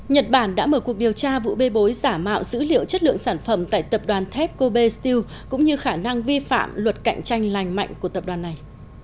nhật bản đã mở cuộc điều tra vụ bê bối giả mạo dữ liệu chất lượng sản phẩm tại tập đoàn tepco b steel cũng như khả năng vi phạm luật cạnh tranh lành mạnh của tập đoàn này